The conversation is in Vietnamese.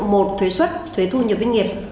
một thuế xuất thuế thu nhập viên nghiệp